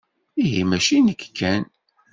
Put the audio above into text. Ihi mačči nekk kan.